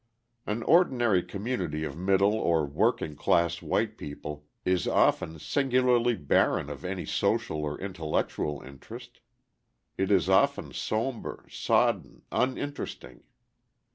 An ordinary community of middle or working class white people is often singularly barren of any social or intellectual interest: it is often sombre, sodden, uninteresting.